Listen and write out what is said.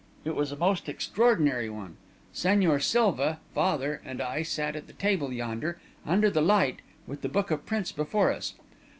It was a most extraordinary one. Señor Silva, father, and I sat at the table yonder, under the light, with the book of prints before us.